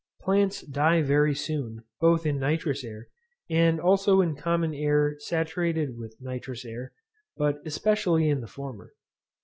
Plants die very soon, both in nitrous air, and also in common air saturated with nitrous air, but especially in the former.